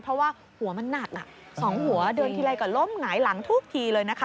เพราะว่าหัวมันหนัก๒หัวเดินทีไรก็ล้มหงายหลังทุกทีเลยนะคะ